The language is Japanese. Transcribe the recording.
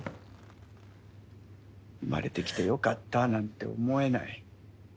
生まれてきてよかったなんて思えない。